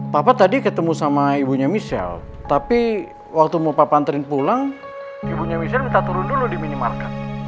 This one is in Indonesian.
papa tadi ketemu sama ibunya michelle tapi waktu mau pak pantrin pulang ibunya michelle minta turun dulu di minimarket